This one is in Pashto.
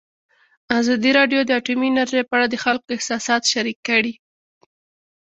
ازادي راډیو د اټومي انرژي په اړه د خلکو احساسات شریک کړي.